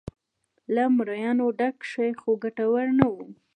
له مریانو ډک شي خو ګټور نه و.